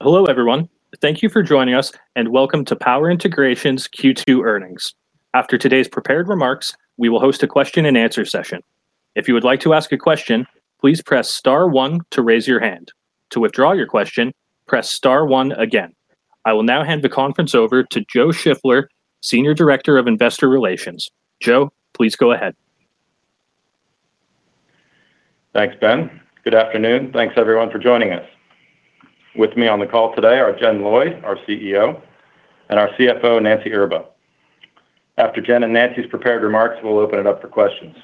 Hello, everyone. Thank you for joining us. Welcome to Power Integrations' Q2 earnings. After today's prepared remarks, we will host a question and answer session. If you would like to ask a question, please press star one to raise your hand. To withdraw your question, press star one again. I will now hand the conference over to Joe Shiffler, Senior Director of Investor Relations. Joe, please go ahead. Thanks, Ben. Good afternoon. Thanks everyone for joining us. With me on the call today are Jen Lloyd, our CEO, and our CFO, Nancy Erba. After Jen and Nancy's prepared remarks, we will open it up for questions.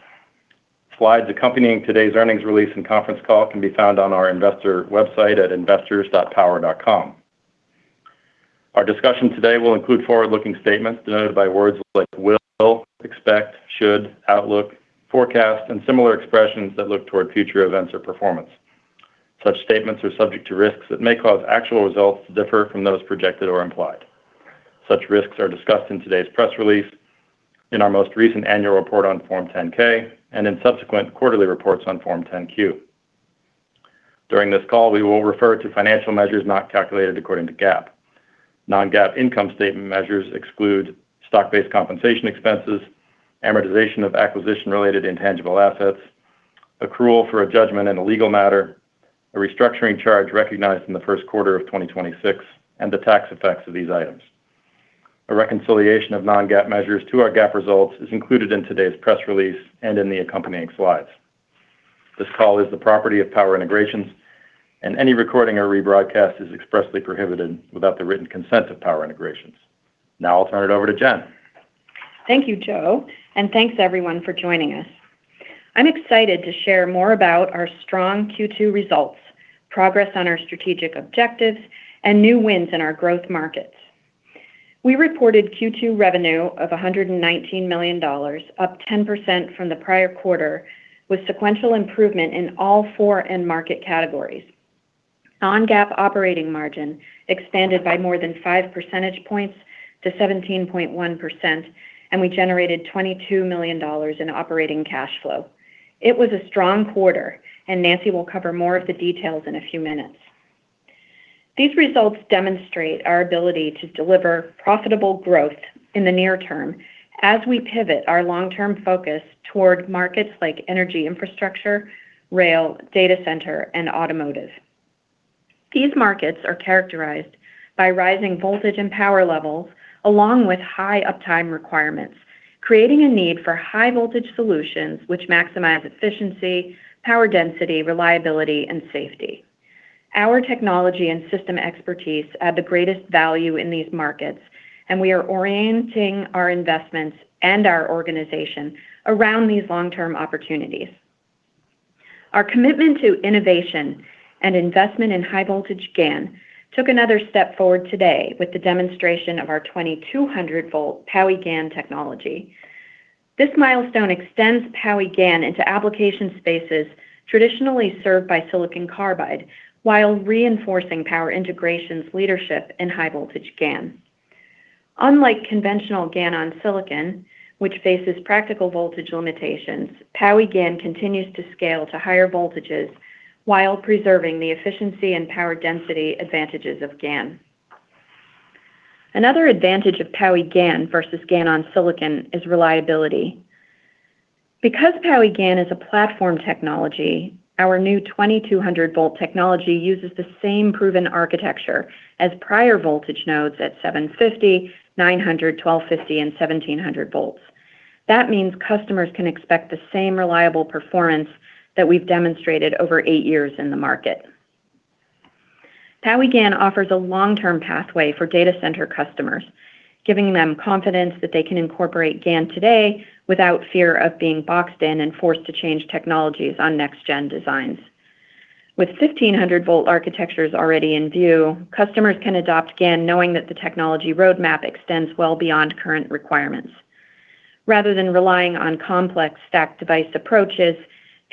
Slides accompanying today's earnings release and conference call can be found on our investor website at investors.power.com. Our discussion today will include forward-looking statements denoted by words like will, expect, should, outlook, forecast, and similar expressions that look toward future events or performance. Such statements are subject to risks that may cause actual results to differ from those projected or implied. Such risks are discussed in today's press release, in our most recent annual report on Form 10-K, and in subsequent quarterly reports on Form 10-Q. During this call, we will refer to financial measures not calculated according to GAAP. Non-GAAP income statement measures exclude stock-based compensation expenses, amortization of acquisition-related intangible assets, accrual for a judgment in a legal matter, a restructuring charge recognized in the first quarter of 2026, and the tax effects of these items. A reconciliation of non-GAAP measures to our GAAP results is included in today's press release and in the accompanying slides. This call is the property of Power Integrations. Any recording or rebroadcast is expressly prohibited without the written consent of Power Integrations. Now I'll turn it over to Jen. Thank you, Joe. Thanks everyone for joining us. I'm excited to share more about our strong Q2 results, progress on our strategic objectives, and new wins in our growth markets. We reported Q2 revenue of $119 million, up 10% from the prior quarter, with sequential improvement in all 4 end market categories. Non-GAAP operating margin expanded by more than five percentage points to 17.1%, and we generated $22 million in operating cash flow. It was a strong quarter. Nancy will cover more of the details in a few minutes. These results demonstrate our ability to deliver profitable growth in the near term as we pivot our long-term focus toward markets like energy infrastructure, rail, data center, and automotive. These markets are characterized by rising voltage and power levels, along with high uptime requirements, creating a need for high voltage solutions which maximize efficiency, power density, reliability, and safety. Our technology and system expertise add the greatest value in these markets. We are orienting our investments and our organization around these long-term opportunities. Our commitment to innovation and investment in high voltage GaN took another step forward today with the demonstration of our 2,200 volt PowiGaN technology. This milestone extends PowiGaN into application spaces traditionally served by silicon carbide, while reinforcing Power Integrations' leadership in high voltage GaN. Unlike conventional GaN on silicon, which faces practical voltage limitations, PowiGaN continues to scale to higher voltages while preserving the efficiency and power density advantages of GaN. Another advantage of PowiGaN versus GaN on silicon is reliability. Because PowiGaN is a platform technology, our new 2,200 volt technology uses the same proven architecture as prior voltage nodes at 750, 900, 1,250, and 1,700 volts. That means customers can expect the same reliable performance that we've demonstrated over eight years in the market. PowiGaN offers a long-term pathway for data center customers, giving them confidence that they can incorporate GaN today without fear of being boxed in and forced to change technologies on next gen designs. With 1,500 volt architectures already in view, customers can adopt GaN knowing that the technology roadmap extends well beyond current requirements. Rather than relying on complex stacked device approaches,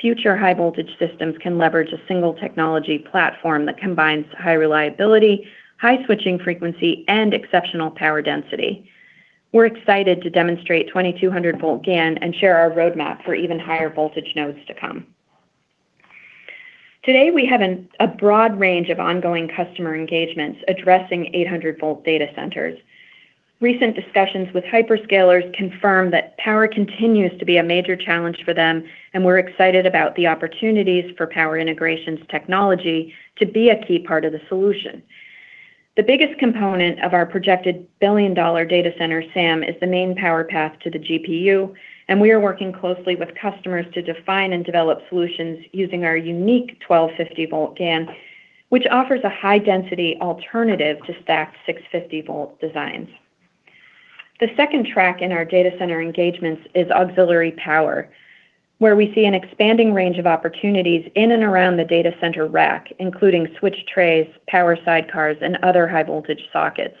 future high voltage systems can leverage a single technology platform that combines high reliability, high switching frequency, and exceptional power density. We're excited to demonstrate 2,200 volt GaN and share our roadmap for even higher voltage nodes to come. Today, we have a broad range of ongoing customer engagements addressing 800 volt data centers. Recent discussions with hyperscalers confirm that power continues to be a major challenge for them. We're excited about the opportunities for Power Integrations technology to be a key part of the solution. The biggest component of our projected billion-dollar data center SAM is the main power path to the GPU. We are working closely with customers to define and develop solutions using our unique 1,250 volt GaN, which offers a high density alternative to stacked 650 volt designs. The second track in our data center engagements is auxiliary power, where we see an expanding range of opportunities in and around the data center rack, including switch trays, power sidecars, and other high voltage sockets.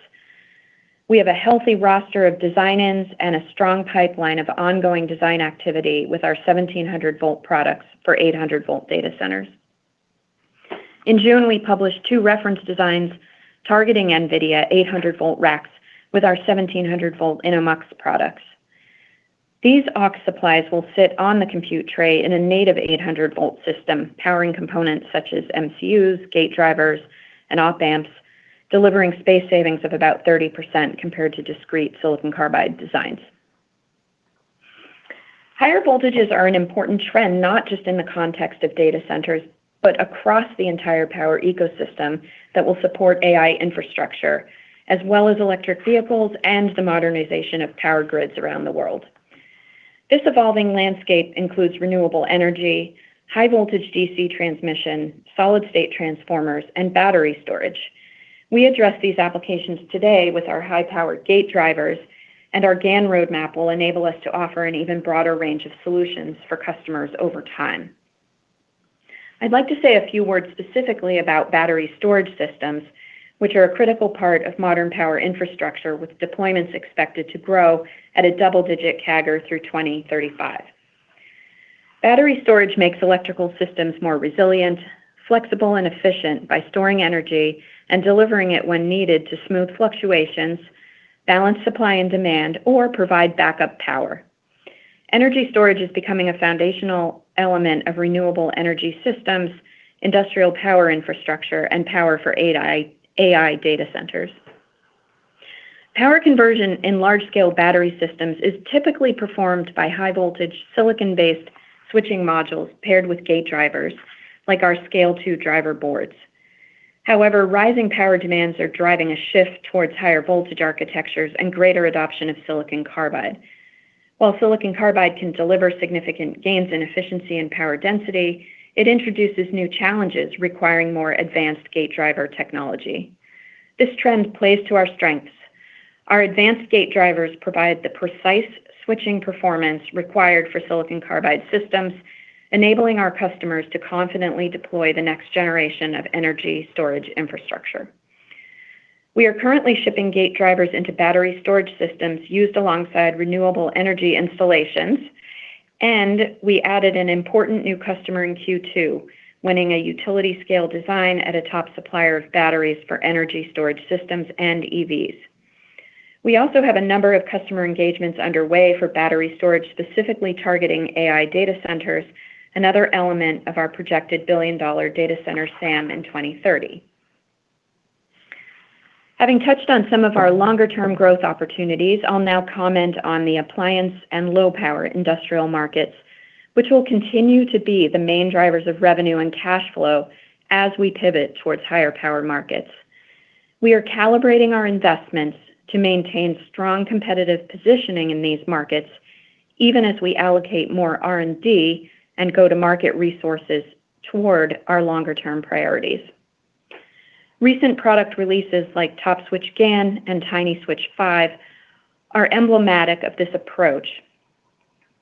We have a healthy roster of design-ins and a strong pipeline of ongoing design activity with our 1,700 volt products for 800 volt data centers. In June, we published two reference designs targeting NVIDIA 800 volt racks with our 1,700 volt InnoMux products. These aux supplies will sit on the compute tray in a native 800-volt system, powering components such as MCUs, gate drivers, and op-amps, delivering space savings of about 30% compared to discrete silicon carbide designs. Higher voltages are an important trend, not just in the context of data centers, but across the entire power ecosystem that will support AI infrastructure, as well as electric vehicles and the modernization of power grids around the world. This evolving landscape includes renewable energy, high-voltage DC transmission, solid-state transformers, and battery storage. We address these applications today with our high-powered gate drivers, and our GaN roadmap will enable us to offer an even broader range of solutions for customers over time. I'd like to say a few words specifically about battery storage systems, which are a critical part of modern power infrastructure, with deployments expected to grow at a double-digit CAGR through 2035. Battery storage makes electrical systems more resilient, flexible, and efficient by storing energy and delivering it when needed to smooth fluctuations, balance supply and demand, or provide backup power. Energy storage is becoming a foundational element of renewable energy systems, industrial power infrastructure, and power for AI data centers. Power conversion in large-scale battery systems is typically performed by high-voltage, silicon-based switching modules paired with gate drivers, like our SCALE-2 driver boards. However, rising power demands are driving a shift towards higher voltage architectures and greater adoption of silicon carbide. While silicon carbide can deliver significant gains in efficiency and power density, it introduces new challenges requiring more advanced gate driver technology. This trend plays to our strengths. Our advanced gate drivers provide the precise switching performance required for silicon carbide systems, enabling our customers to confidently deploy the next generation of energy storage infrastructure. We are currently shipping gate drivers into battery storage systems used alongside renewable energy installations. We added an important new customer in Q2, winning a utility scale design at a top supplier of batteries for energy storage systems and EVs. We also have a number of customer engagements underway for battery storage, specifically targeting AI data centers, another element of our projected billion-dollar data center SAM in 2030. Having touched on some of our longer-term growth opportunities, I'll now comment on the appliance and low-power industrial markets, which will continue to be the main drivers of revenue and cash flow as we pivot towards higher-power markets. We are calibrating our investments to maintain strong competitive positioning in these markets, even as we allocate more R&D and go-to-market resources toward our longer-term priorities. Recent product releases like TOPSwitchGaN and TinySwitch-5 are emblematic of this approach,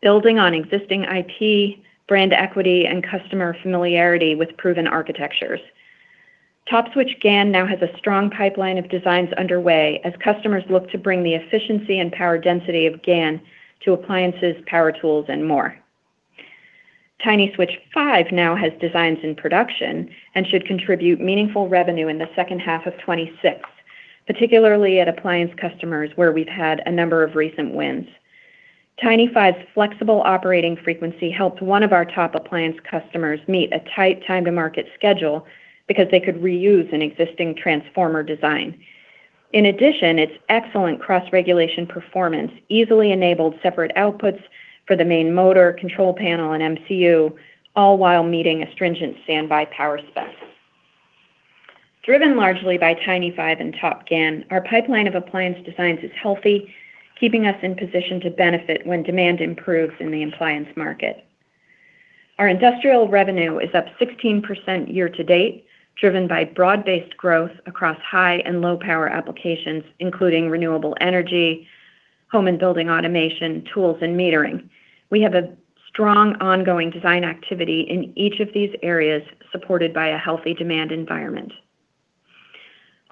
building on existing IP, brand equity, and customer familiarity with proven architectures. TOPSwitchGaN now has a strong pipeline of designs underway as customers look to bring the efficiency and power density of GaN to appliances, power tools, and more. TinySwitch-5 now has designs in production and should contribute meaningful revenue in the second half of 2026, particularly at appliance customers where we've had a number of recent wins. Tiny5's flexible operating frequency helped one of our top appliance customers meet a tight time-to-market schedule because they could reuse an existing transformer design. In addition, its excellent cross-regulation performance easily enabled separate outputs for the main motor, control panel, and MCU, all while meeting a stringent standby power spec. Driven largely by Tiny5 and Top GaN, our pipeline of appliance designs is healthy, keeping us in position to benefit when demand improves in the appliance market. Our industrial revenue is up 16% year-to-date, driven by broad-based growth across high and low-power applications, including renewable energy, home and building automation, tools, and metering.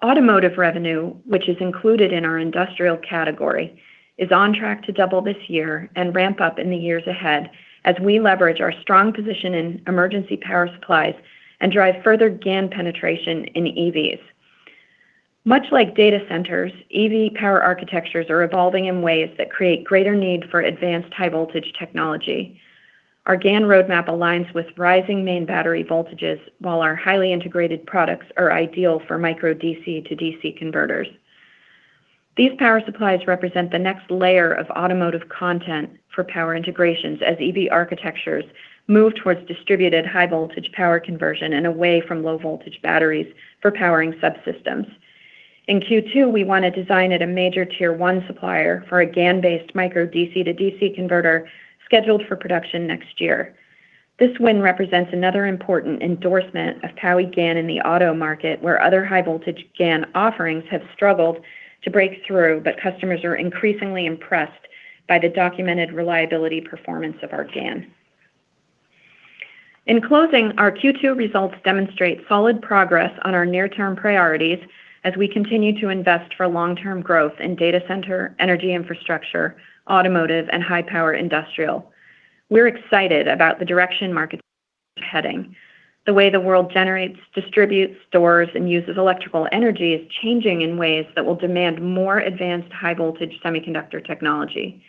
Automotive revenue, which is included in our industrial category, is on track to double this year and ramp up in the years ahead as we leverage our strong position in emergency power supplies and drive further GaN penetration in EVs. Much like data centers, EV power architectures are evolving in ways that create greater need for advanced high-voltage technology. Our GaN roadmap aligns with rising main battery voltages, while our highly integrated products are ideal for micro DC-DC converters. These power supplies represent the next layer of automotive content for Power Integrations as EV architectures move towards distributed high-voltage power conversion and away from low-voltage batteries for powering subsystems. In Q2, we won a design at a major tier 1 supplier for a GaN-based micro DC-DC converter scheduled for production next year. This win represents another important endorsement of PowiGaN in the auto market, where other high-voltage GaN offerings have struggled to break through, but customers are increasingly impressed by the documented reliability performance of our GaN. In closing, our Q2 results demonstrate solid progress on our near-term priorities as we continue to invest for long-term growth in data center, energy infrastructure, automotive, and high-power industrial. We're excited about the direction markets are heading. The way the world generates, distributes, stores, and uses electrical energy is changing in ways that will demand more advanced high-voltage semiconductor technology.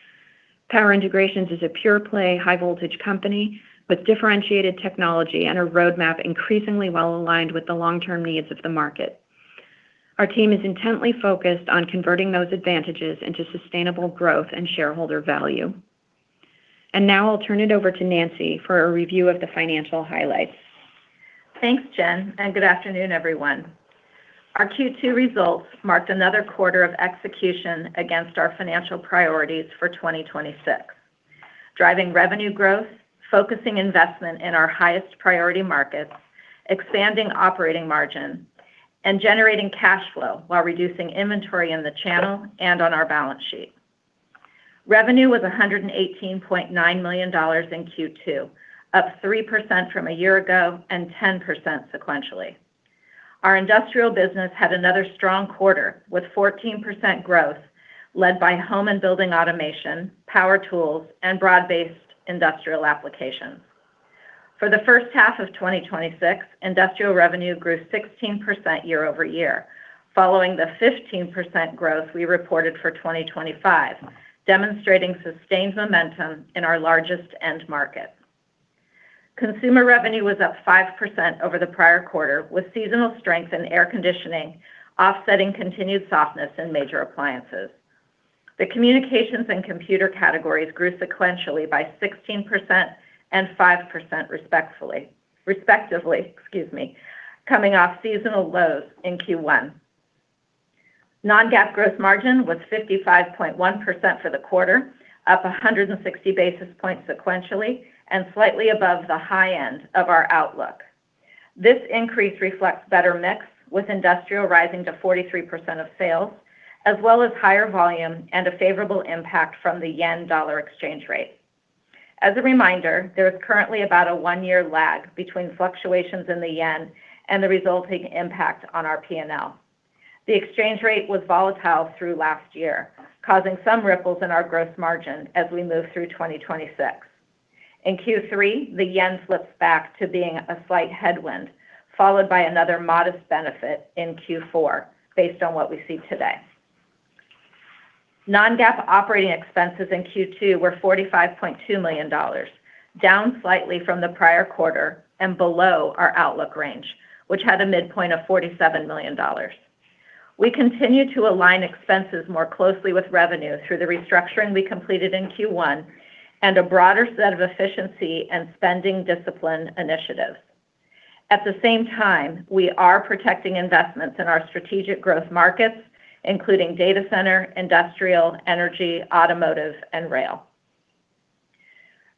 Power Integrations is a pure play high-voltage company with differentiated technology and a roadmap increasingly well aligned with the long-term needs of the market. Our team is intently focused on converting those advantages into sustainable growth and shareholder value. Now I'll turn it over to Nancy for a review of the financial highlights. Thanks, Jen, and good afternoon, everyone. Our Q2 results marked another quarter of execution against our financial priorities for 2026, driving revenue growth, focusing investment in our highest priority markets, expanding operating margin, and generating cash flow while reducing inventory in the channel and on our balance sheet. Revenue was $118.9 million in Q2, up 3% from a year ago and 10% sequentially. Our industrial business had another strong quarter, with 14% growth led by home and building automation, power tools, and broad-based industrial applications. For the first half of 2026, industrial revenue grew 16% year-over-year, following the 15% growth we reported for 2025, demonstrating sustained momentum in our largest end market. Consumer revenue was up 5% over the prior quarter, with seasonal strength and air conditioning offsetting continued softness in major appliances. The communications and computer categories grew sequentially by 16% and 5% respectively. Respectively, excuse me, coming off seasonal lows in Q1. Non-GAAP gross margin was 55.1% for the quarter, up 160 basis points sequentially and slightly above the high end of our outlook. This increase reflects better mix, with industrial rising to 43% of sales, as well as higher volume and a favorable impact from the yen-dollar exchange rate. As a reminder, there is currently about a one-year lag between fluctuations in the yen and the resulting impact on our P&L. The exchange rate was volatile through last year, causing some ripples in our gross margin as we move through 2026. In Q3, the yen slips back to being a slight headwind, followed by another modest benefit in Q4 based on what we see today. Non-GAAP operating expenses in Q2 were $45.2 million, down slightly from the prior quarter and below our outlook range, which had a midpoint of $47 million. We continue to align expenses more closely with revenue through the restructuring we completed in Q1 and a broader set of efficiency and spending discipline initiatives. At the same time, we are protecting investments in our strategic growth markets, including data center, industrial, energy, automotive, and rail.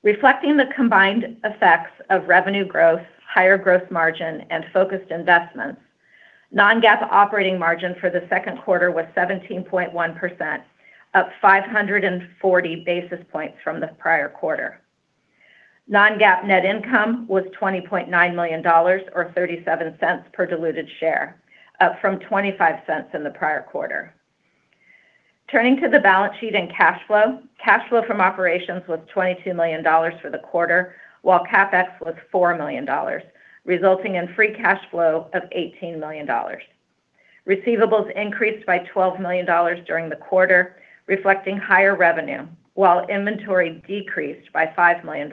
Reflecting the combined effects of revenue growth, higher gross margin, and focused investments, non-GAAP operating margin for the second quarter was 17.1%, up 540 basis points from the prior quarter. Non-GAAP net income was $20.9 million, or $0.37 per diluted share, up from $0.25 in the prior quarter. Turning to the balance sheet and cash flow, cash flow from operations was $22 million for the quarter, while CapEx was $4 million, resulting in free cash flow of $18 million. Receivables increased by $12 million during the quarter, reflecting higher revenue, while inventory decreased by $5 million.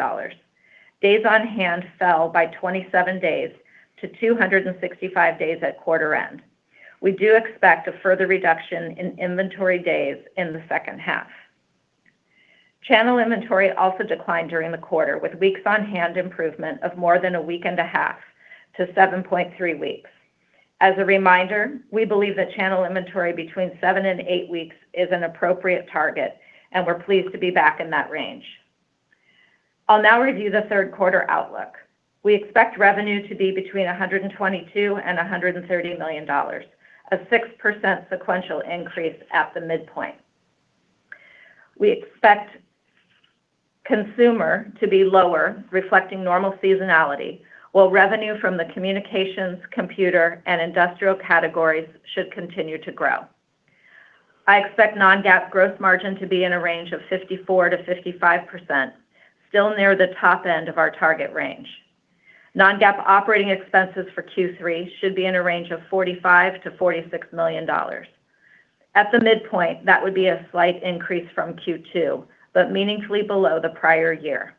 Days on hand fell by 27 days to 265 days at quarter end. We do expect a further reduction in inventory days in the second half. Channel inventory also declined during the quarter, with weeks on hand improvement of more than a week and a half to 7.3 weeks. As a reminder, we believe that channel inventory between seven and eight weeks is an appropriate target, and we're pleased to be back in that range. I'll now review the third quarter outlook. We expect revenue to be between $122 million and $130 million, a 6% sequential increase at the midpoint. We expect consumer to be lower, reflecting normal seasonality, while revenue from the communications, computer, and industrial categories should continue to grow. I expect non-GAAP gross margin to be in a range of 54%-55%, still near the top end of our target range. Non-GAAP operating expenses for Q3 should be in a range of $45 million to $46 million. At the midpoint, that would be a slight increase from Q2, but meaningfully below the prior year.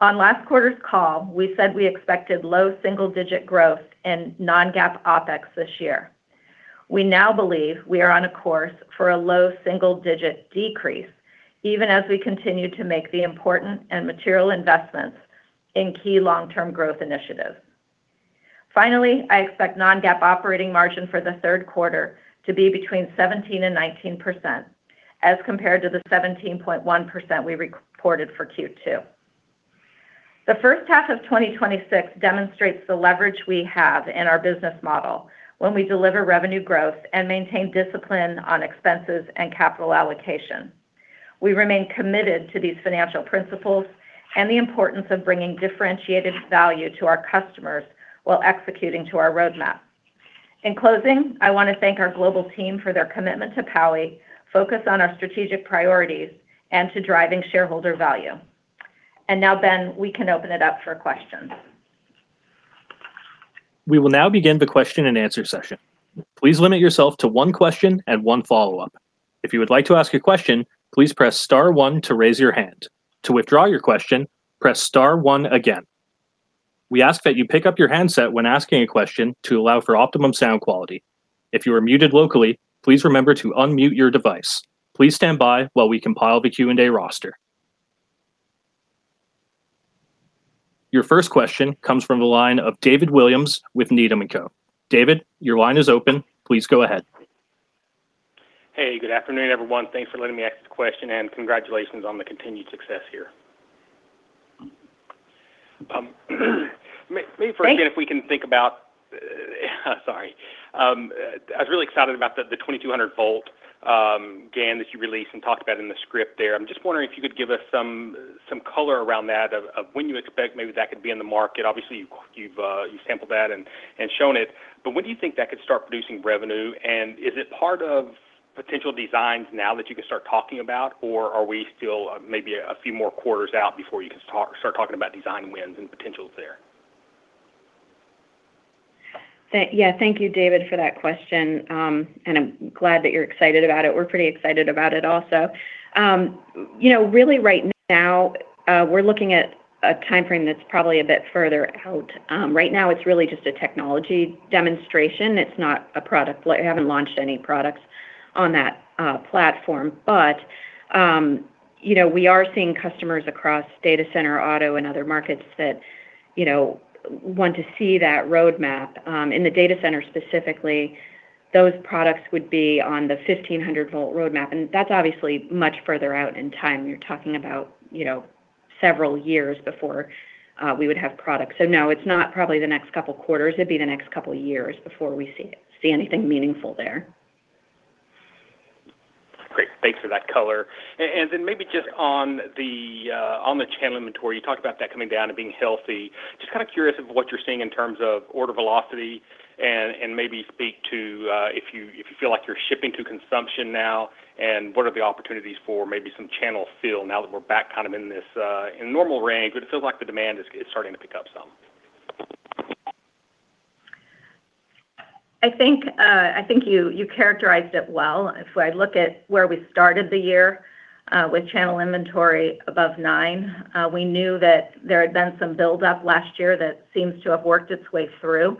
On last quarter's call, we said we expected low single-digit growth in non-GAAP OpEx this year. We now believe we are on a course for a low single-digit decrease, even as we continue to make the important and material investments in key long-term growth initiatives. Finally, I expect non-GAAP operating margin for the third quarter to be between 17% and 19%, as compared to the 17.1% we reported for Q2. The first half of 2026 demonstrates the leverage we have in our business model when we deliver revenue growth and maintain discipline on expenses and capital allocation. We remain committed to these financial principles and the importance of bringing differentiated value to our customers while executing to our roadmap. In closing, I want to thank our global team for their commitment to Power, focus on our strategic priorities, and to driving shareholder value. Now, Ben, we can open it up for questions. We will now begin the question and answer session. Please limit yourself to one question and one follow-up. If you would like to ask a question, please press star one to raise your hand. To withdraw your question, press star one again. We ask that you pick up your handset when asking a question to allow for optimum sound quality. If you are muted locally, please remember to unmute your device. Please stand by while we compile the Q&A roster. Your first question comes from the line of David Williams with Needham & Company. David, your line is open. Please go ahead. Hey, good afternoon, everyone. Thanks for letting me ask the question, congratulations on the continued success here. Thank- Maybe for Jen, if we can think about, sorry. I was really excited about the 2,200 volt GaN that you released and talked about in the script there. I'm just wondering if you could give us some color around that, of when you expect maybe that could be in the market. Obviously, you've sampled that and shown it, when do you think that could start producing revenue? Is it part of potential designs now that you could start talking about, or are we still maybe a few more quarters out before you can start talking about design wins and potentials there? Yeah. Thank you, David, for that question. I'm glad that you're excited about it. We're pretty excited about it also. Really right now, we're looking at a timeframe that's probably a bit further out. Right now it's really just a technology demonstration. It's not a product. We haven't launched any products on that platform. We are seeing customers across data center, auto, and other markets that want to see that roadmap. In the data center specifically, those products would be on the 1,500 volt roadmap, and that's obviously much further out in time. You're talking about several years before we would have products. No, it's not probably the next couple of quarters. It'd be the next couple of years before we see anything meaningful there. Great. Thanks for that color. Maybe just on the channel inventory, you talked about that coming down and being healthy. Just kind of curious of what you're seeing in terms of order velocity, and maybe speak to if you feel like you're shipping to consumption now, and what are the opportunities for maybe some channel field now that we're back kind of in this, in normal range, but it feels like the demand is starting to pick up some. I think you characterized it well. If I look at where we started the year with channel inventory above nine, we knew that there had been some buildup last year that seems to have worked its way through.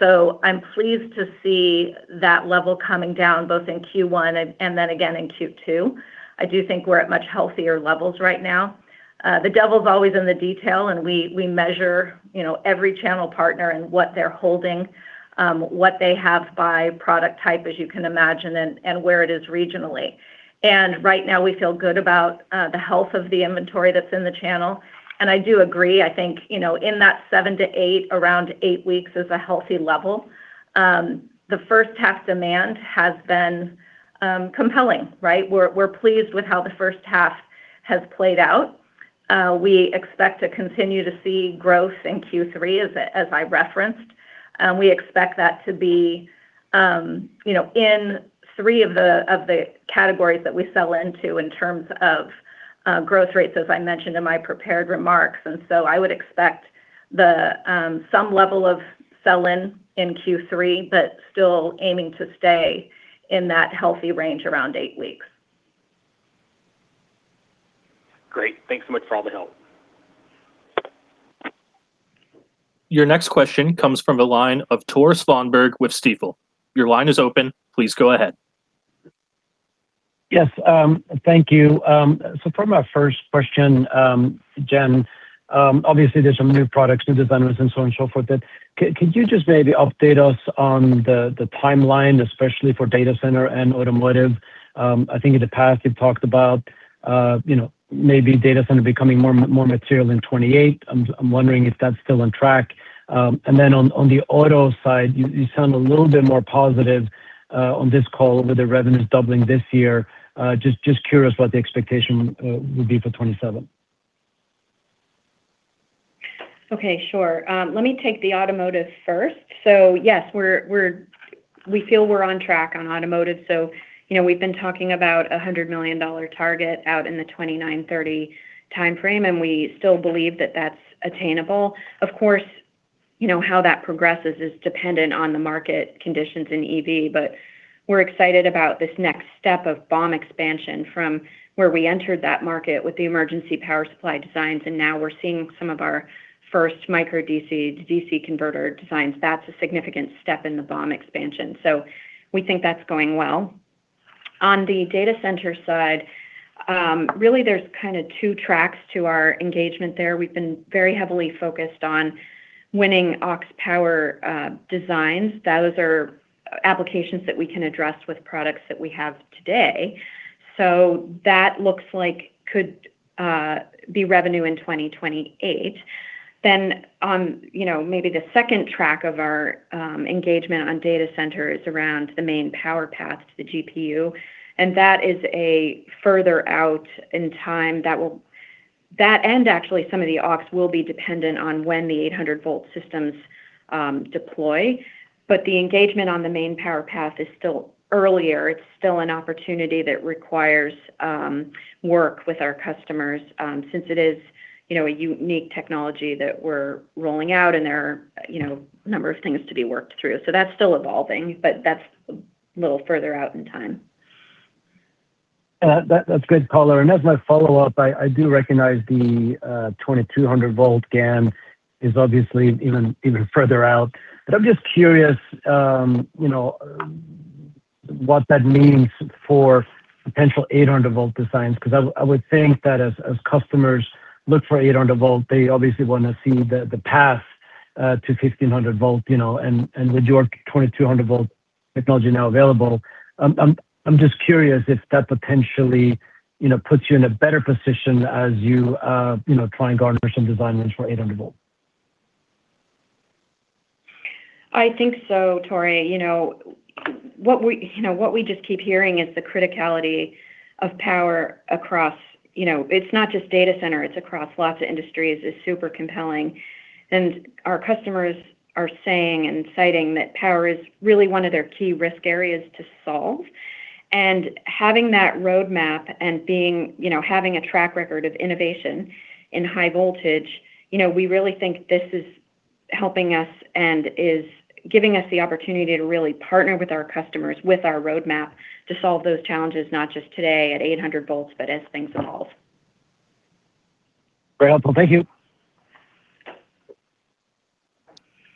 I'm pleased to see that level coming down, both in Q1 and again in Q2. I do think we're at much healthier levels right now. The devil's always in the detail, and we measure every channel partner and what they're holding, what they have by product type, as you can imagine, and where it is regionally. Right now we feel good about the health of the inventory that's in the channel. I do agree, I think, in that 7 to 8, around 8 weeks is a healthy level. The first half demand has been compelling, right? We're pleased with how the first half has played out. We expect to continue to see growth in Q3, as I referenced. We expect that to be in three of the categories that we sell into in terms of growth rates, as I mentioned in my prepared remarks. I would expect some level of sell-in in Q3, but still aiming to stay in that healthy range around 8 weeks. Great. Thanks so much for all the help. Your next question comes from the line of Tore Svanberg with Stifel. Your line is open. Please go ahead. Yes. Thank you. For my first question, Jen, obviously there's some new products, new designs, and so on, so forth, but could you just maybe update us on the timeline, especially for data center and automotive? I think in the past you've talked about maybe data center becoming more material in 2028. I'm wondering if that's still on track. On the auto side, you sound a little bit more positive on this call with the revenues doubling this year. Just curious what the expectation would be for 2027. Okay, sure. Let me take the automotive first. Yes, we feel we're on track on automotive, we've been talking about a $100 million target out in the 2029, 2030 timeframe, and we still believe that that's attainable. Of course, how that progresses is dependent on the market conditions in EV, but we're excited about this next step of BOM expansion from where we entered that market with the emergency power supply designs, and now we're seeing some of our first micro DC-DC converter designs. That's a significant step in the BOM expansion. We think that's going well. On the data center side, really there's kind of two tracks to our engagement there. We've been very heavily focused on winning aux power designs. Those are applications that we can address with products that we have today. So that looks like could be revenue in 2028. On maybe the second track of our engagement on data center is around the main power path to the GPU, and that is a further out in time. That and actually some of the ops will be dependent on when the 800-volt systems deploy, but the engagement on the main power path is still earlier. It's still an opportunity that requires work with our customers, since it is a unique technology that we're rolling out and there are a number of things to be worked through. That's still evolving, but that's a little further out in time. That's good, Paula. I do recognize the 2200 volt GaN is obviously even further out. I'm just curious, what that means for potential 800 volt designs, because I would think that as customers look for 800 volt, they obviously want to see the path to 1500 volt, with your 2200 volt technology now available, I'm just curious if that potentially puts you in a better position as you try and garner some design wins for 800 volt. I think so, Tori. What we just keep hearing is the criticality of power across, it's not just data center, it's across lots of industries, is super compelling. Our customers are saying and citing that power is really one of their key risk areas to solve. Having that roadmap and having a track record of innovation in high voltage, we really think this is helping us and is giving us the opportunity to really partner with our customers with our roadmap to solve those challenges, not just today at 800 volts, but as things evolve. Very helpful. Thank you.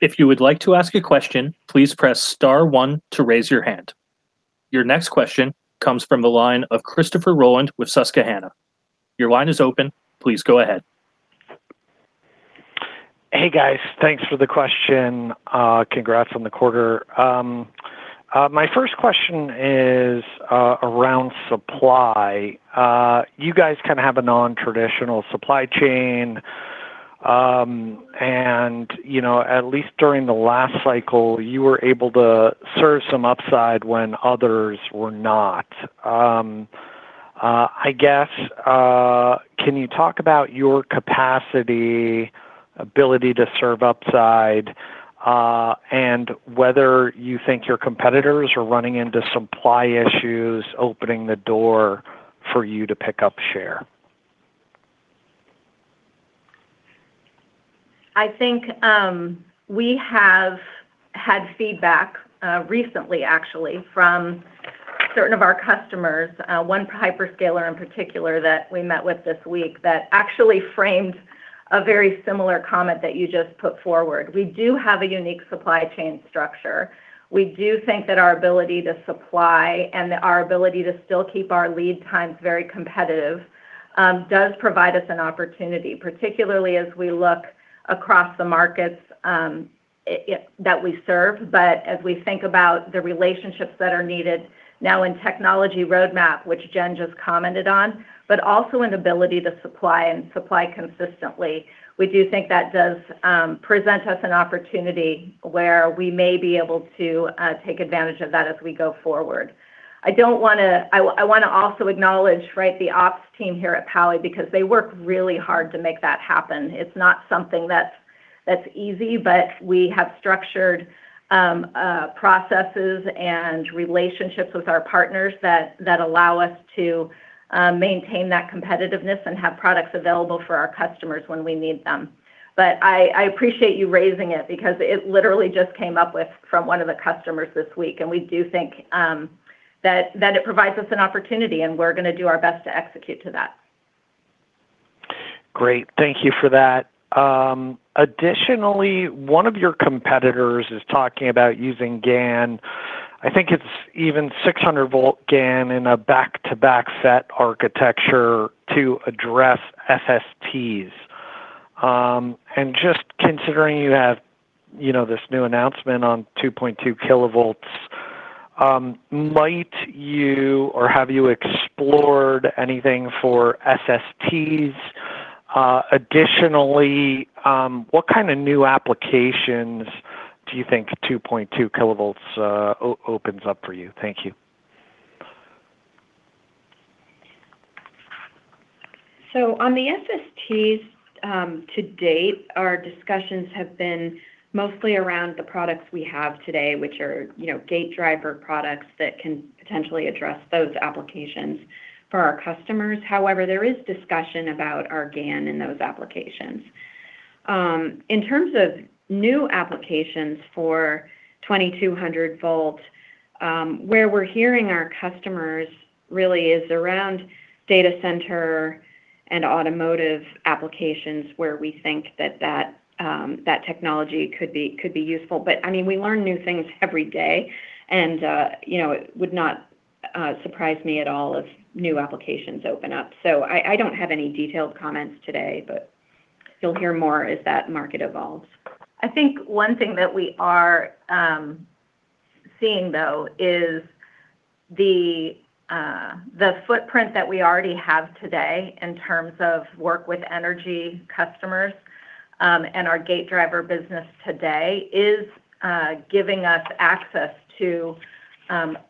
If you would like to ask a question, please press star one to raise your hand. Your next question comes from the line of Christopher Rolland with Susquehanna. Your line is open. Please go ahead. Hey, guys. Thanks for the question. Congrats on the quarter. My first question is around supply. You guys have a non-traditional supply chain, and at least during the last cycle, you were able to serve some upside when others were not. I guess, can you talk about your capacity, ability to serve upside, and whether you think your competitors are running into supply issues, opening the door for you to pick up share? I think we have had feedback, recently, actually, from certain of our customers, one hyperscaler in particular that we met with this week that actually framed a very similar comment that you just put forward. We do have a unique supply chain structure. We do think that our ability to supply and our ability to still keep our lead times very competitive, does provide us an an opportunity, particularly as we look across the markets that we serve. As we think about the relationships that are needed now in technology roadmap, which Jen just commented on, but also in ability to supply and supply consistently. We do think that does present us an opportunity where we may be able to take advantage of that as we go forward. I want to also acknowledge the ops team here at Poway, because they work really hard to make that happen. It's not something that's easy, but we have structured processes and relationships with our partners that allow us to maintain that competitiveness and have products available for our customers when we need them. I appreciate you raising it, because it literally just came up from one of the customers this week, and we do think that it provides us an opportunity, and we're going to do our best to execute to that. Great. Thank you for that. Additionally, one of your competitors is talking about using GaN. I think it's even 600 volt GaN in a back-to-back set architecture to address SSTs. Just considering you have this new announcement on 2.2 kilovolts, might you or have you explored anything for SSTs? Additionally, what kind of new applications do you think 2.2 kilovolts opens up for you? Thank you. On the SSTs, to date, our discussions have been mostly around the products we have today, which are gate driver products that can potentially address those applications for our customers. However, there is discussion about our GaN in those applications. In terms of new applications for 2,200 volt, where we're hearing our customers really is around data center and automotive applications where we think that technology could be useful. We learn new things every day, and it would not surprise me at all if new applications open up. I don't have any detailed comments today, but you'll hear more as that market evolves. I think one thing that we are seeing, though, is the footprint that we already have today in terms of work with energy customers Our Gate Driver business today is giving up access to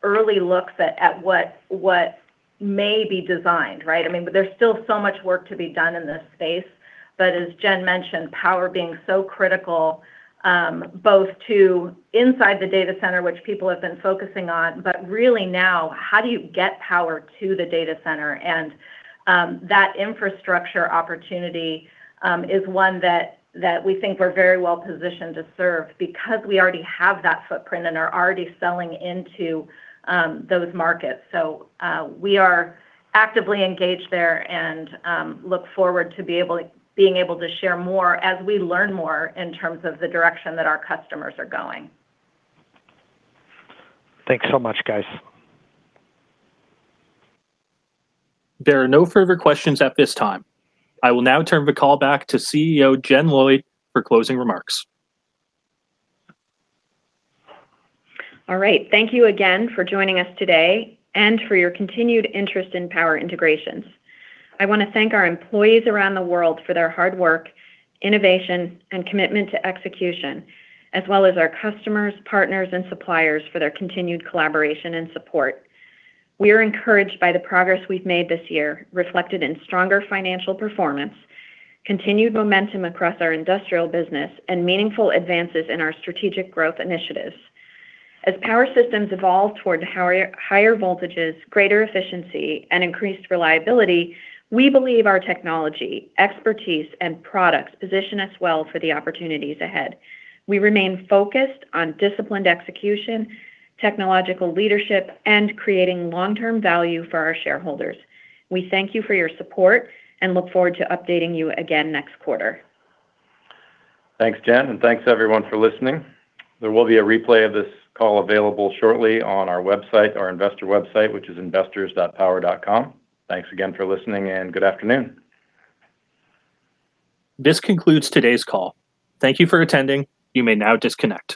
early looks at what may be designed, right? There's still so much work to be done in this space. As Jen mentioned, power being so critical both to inside the data center, which people have been focusing on, really now, how do you get power to the data center? That infrastructure opportunity is one that we think we're very well positioned to serve because we already have that footprint and are already selling into those markets. We are actively engaged there, and look forward to being able to share more as we learn more in terms of the direction that our customers are going. Thanks so much, guys. There are no further questions at this time. I will now turn the call back to CEO Jen Lloyd for closing remarks. All right. Thank you again for joining us today, and for your continued interest in Power Integrations. I want to thank our employees around the world for their hard work, innovation, and commitment to execution. As well as our customers, partners, and suppliers for their continued collaboration and support. We are encouraged by the progress we've made this year, reflected in stronger financial performance, continued momentum across our industrial business, and meaningful advances in our strategic growth initiatives. As power systems evolve toward higher voltages, greater efficiency, and increased reliability, we believe our technology, expertise, and products position us well for the opportunities ahead. We remain focused on disciplined execution, technological leadership, and creating long-term value for our shareholders. We thank you for your support. We look forward to updating you again next quarter. Thanks, Jen. Thanks everyone for listening. There will be a replay of this call available shortly on our investor website, which is investors.power.com. Thanks again for listening. Good afternoon. This concludes today's call. Thank you for attending. You may now disconnect.